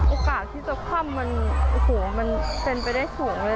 โอกาสที่จะคร่ำมันเป็นไปได้สูงเลย